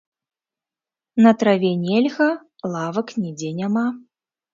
На траве нельга, лавак нідзе няма!